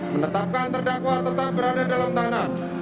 menetapkan terdakwa tetap berada dalam tahanan